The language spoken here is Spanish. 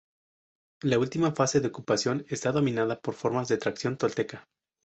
La última fase de ocupación está dominada por formas de tradición Tolteca.